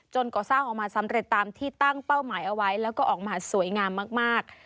ก่อสร้างออกมาสำเร็จตามที่ตั้งเป้าหมายเอาไว้แล้วก็ออกมาสวยงามมาก